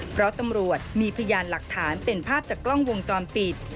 เพราะตำรวจมีพยานหลักฐานเป็นภาพจากกล้องวงจรปิด